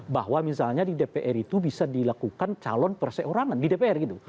bahwa misalnya di dpr itu bisa dilakukan calon perseorangan di dpr gitu